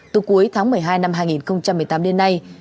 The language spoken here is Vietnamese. từ cuối tháng một mươi hai năm hai nghìn một mươi tám đến nay